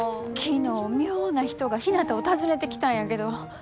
昨日妙な人がひなたを訪ねてきたんやけど。